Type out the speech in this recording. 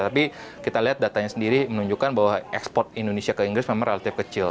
tapi kita lihat datanya sendiri menunjukkan bahwa ekspor indonesia ke inggris memang relatif kecil